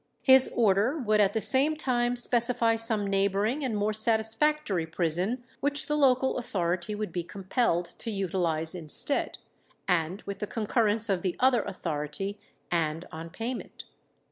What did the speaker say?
His order would at the same time specify some neighbouring and more satisfactory prison which the local authority would be compelled to utilize instead, and with the concurrence of the other authority, and on payment.